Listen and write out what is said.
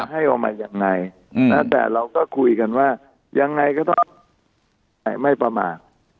ให้ออกมายังไงแต่เราก็คุยกันว่ายังไงก็ต้องไม่ประมาท